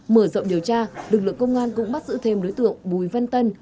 mở rộng điều tra lực lượng công an cũng bắt giữ thêm đối tượng bùi văn tân